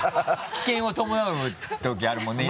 危険を伴うときあるもんね。